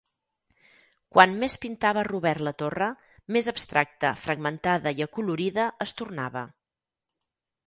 Quant més pintava Robert la torre, més abstracta, fragmentada i acolorida es tornava.